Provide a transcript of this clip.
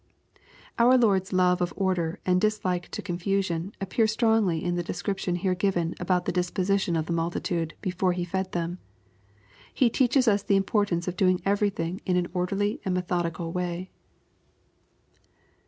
Our Lord's love of order and dislike to confusion, appear strongly in the description here given about the disposition of tlie m altitude, before He fed them. He teaches us the importance of doing everytliing in an orderly and methodical way.